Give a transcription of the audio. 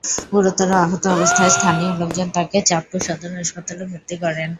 গুরুতর আহত অবস্থায় স্থানীয় লোকজন তাকে চাঁদপুর সদর হাসপাতালে ভর্তি করেন।